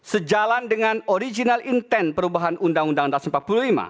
sejalan dengan original intent perubahan undang undang dasar empat puluh lima